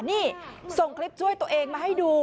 นี่ส่งคลิปช่วยตัวเองมาให้ดู